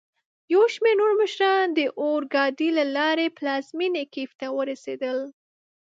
یوشمیرنورمشران داورګاډي له لاري پلازمېني کېف ته ورسېدل.